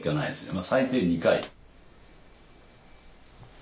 まあ最低２回。